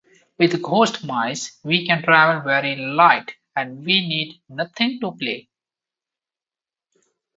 With Ghost Mice we can travel very light and we need nothing to play.